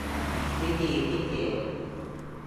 วิธีพิเศษ